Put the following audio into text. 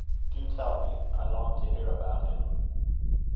"Do tell me. I long to hear about him."